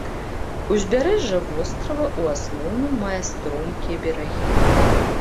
Узбярэжжа вострава ў асноўным мае стромкія берагі.